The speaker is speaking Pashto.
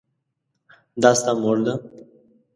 دا ستا مور ده ؟